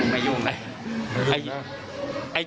ไม่ยุ่ง